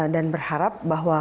dan berharap bahwa